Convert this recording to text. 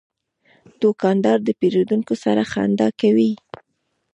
دوکاندار د پیرودونکو سره خندا کوي.